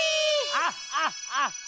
アッハッハッハ！